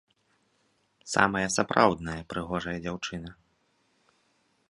Самая сапраўдная прыгожая дзяўчына!